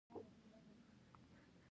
د پښتو د کمزورۍ مخه دې ونیول شي.